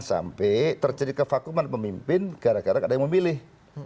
sampai terjadi kevakuman pemimpin gara gara ada yang memilih